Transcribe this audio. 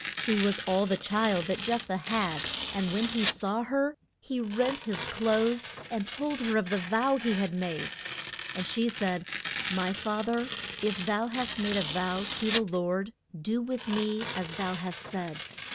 She was all the child that Jeph thah had, and when he saw her he rent his clothes and told her of the vow he had made. And she said, My fath er, if thou hast made a vow to the Lord, do with me as thou hast said.